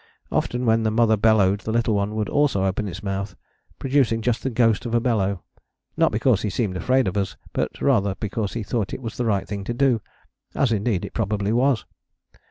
Often when the mother bellowed the little one would also open his mouth, producing just the ghost of a bellow: not because he seemed afraid of us, but rather because he thought it was the right thing to do: as indeed it probably was.